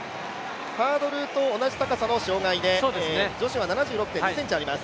ハードルと同じ高さの障害で女子は７６．２ｃｍあります。